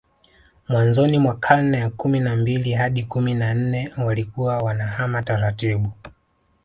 Mwanzoni mwa karne ya kumi na mbili hadi kumi na nne walikuwa wanahama taratibu